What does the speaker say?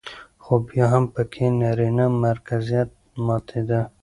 خو بيا هم پکې نرينه مرکزيت ماتېده